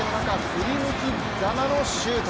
振り抜きざまのシュート。